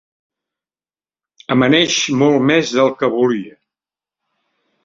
Amaneix molt més del que volia.